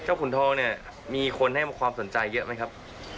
ขุนทองเนี่ยมีคนให้ความสนใจเยอะไหมครับ